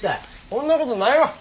そんなことないわ。